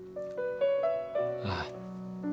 ああ。